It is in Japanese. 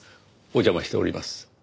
お邪魔しております。